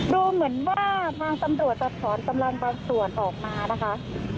ดูเหมือนว่าทางตำรวจจะถอนกำลังบางส่วนออกมานะคะ